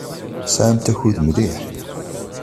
Tesɛamt akud mliḥ.